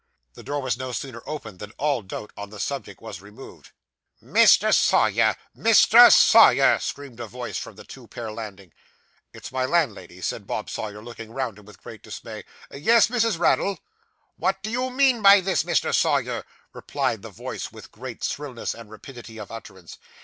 The door was no sooner opened than all doubt on the subject was removed. 'Mr. Sawyer! Mr. Sawyer!' screamed a voice from the two pair landing. 'It's my landlady,' said Bob Sawyer, looking round him with great dismay. 'Yes, Mrs. Raddle.' 'What do you mean by this, Mr. Sawyer?' replied the voice, with great shrillness and rapidity of utterance.